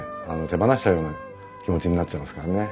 手放しちゃうような気持ちになっちゃいますからね。